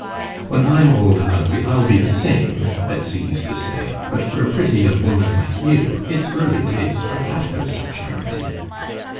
"When I'm old and ugly I'll be the same," Betsy used to say; "but for a pretty young woman like you it's early days for that house of charity."